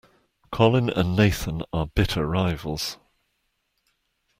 Colin and Nathan are bitter rivals.